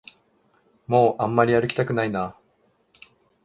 もうあんまり歩きたくないな